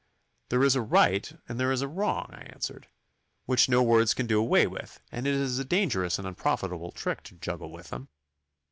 'There is a right and there is a wrong,' I answered, 'which no words can do away with, and it is a dangerous and unprofitable trick to juggle with them.